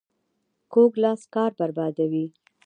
کوږ لاس کار بربادوي